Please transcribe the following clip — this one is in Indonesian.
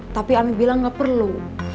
tapi ami bilang nggak perlu